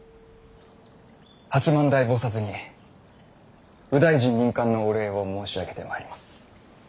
八幡大菩薩に右大臣任官のお礼を申し上げてまいります。